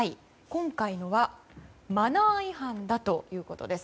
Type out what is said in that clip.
今回のはマナー違反だということです。